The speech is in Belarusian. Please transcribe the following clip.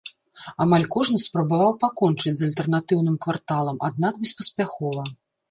Амаль кожны спрабаваў пакончыць з альтэрнатыўным кварталам, аднак беспаспяхова.